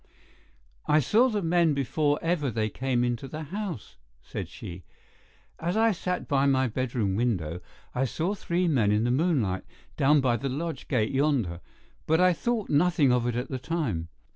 "I saw the men before ever they came into the house," said she. "As I sat by my bedroom window I saw three men in the moonlight down by the lodge gate yonder, but I thought nothing of it at the time.